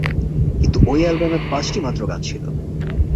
কিন্তু ঐ অ্যালবামে পাঁচটিমাত্র গান ছিল।